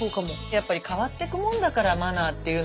やっぱり変わってくもんだからマナーっていうのは。